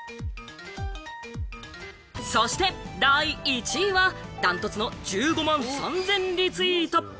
そして第１位は、ダントツの１５万３０００リツイート。